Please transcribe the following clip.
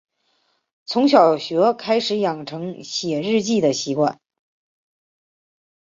从小学开始养成写日记的习惯